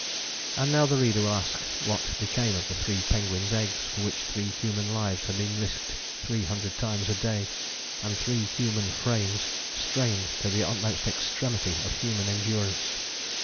And now the reader will ask what became of the three penguins' eggs for which three human lives had been risked three hundred times a day, and three human frames strained to the utmost extremity of human endurance.